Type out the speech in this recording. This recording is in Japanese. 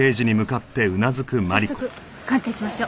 早速鑑定しましょう。